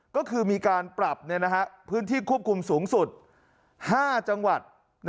ก็คือมีการปรับพื้นที่ควบคุมสูงสุด๕จังหวัด